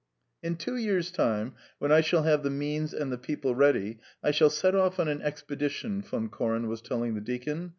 "In two years' time, when I shall have the means and the people ready, I shall set off on an expedition," Von Koren was telling the deacon.